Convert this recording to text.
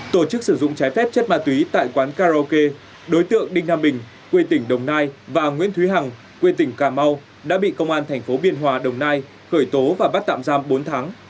tổ chức sử dụng trái phép chất ma túy tại quán karaoke đối tượng đinh nam bình quê tỉnh đồng nai và nguyễn thúy hằng quê tỉnh cà mau đã bị công an thành phố biên hòa đồng nai khởi tố và bắt tạm giam bốn tháng